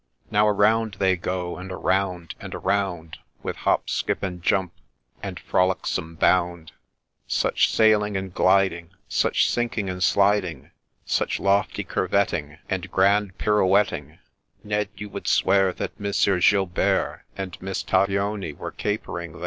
' Now around they go, and around, and around, With hop skip and jump, and frolicsome bound, Such sailing and gliding, Such sinking and sliding, Such lofty curvetting, And grand pirouetting ; Ned, you would swear that Monsieur Gilbert And Miss Taglioni were capering there